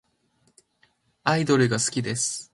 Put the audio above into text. アイドルが好きです。